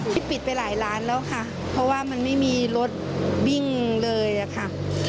ที่ปิดไปหลายร้านแล้วค่ะเพราะว่ามันไม่มีรถวิ่งเลยอะค่ะ